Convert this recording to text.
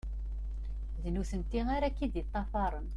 D nutenti ara ak-id-ṭṭafern.